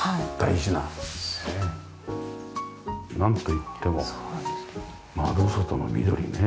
なんといっても窓外の緑ね。